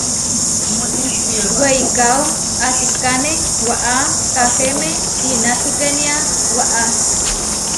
Weikáo asikáne waʼá Kahéme inatukénia waʼá.